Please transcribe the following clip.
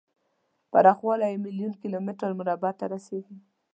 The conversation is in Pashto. پراخوالی یې میلیون کیلو متر مربع ته رسیږي.